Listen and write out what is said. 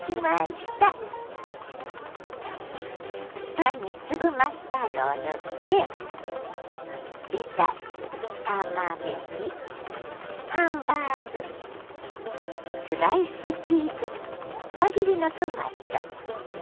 パンに粒マスタードを塗ってレタスたまねぎハンバーグスライスチーズ輪切りのトマト。